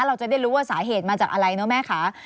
เราจะได้รู้ว่าสาเหตุมาจากอะไรเนอะแม่ค่ะ